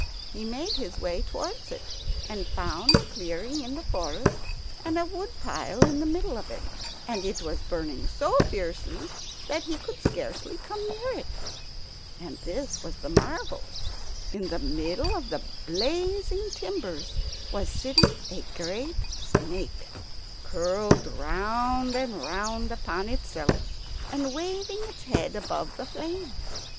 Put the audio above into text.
He made his way towards it, and found a clearing in the forest, and a wood pile in the middle of it, and it was burning so fiercely that he could scarcely come near it. And this was the marvel, that in the middle of the blazing timbers was sitting a great snake, curled round and round upon itself and waving its head above the flames.